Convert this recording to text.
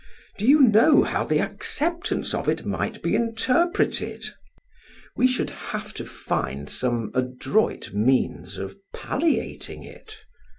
Do you know how the acceptance of it might be interpreted? We should have to find some adroit means of palliating it.